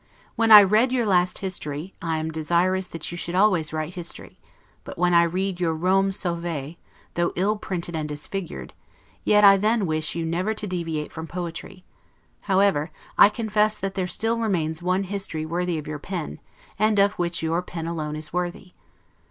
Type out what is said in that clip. When I read your last history, I am desirous that you should always write history; but when I read your 'Rome Sauvee' (although ill printed and disfigured), yet I then wish you never to deviate from poetry; however, I confess that there still remains one history worthy of your pen, and of which your pen alone is worthy.